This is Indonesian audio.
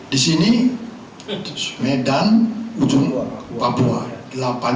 di sini medan ujung papua